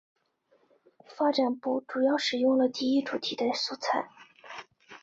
发展部主要使用了第一主题的素材。